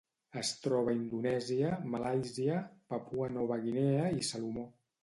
Es troba a Indonèsia, Malàisia, Papua Nova Guinea i Salomó.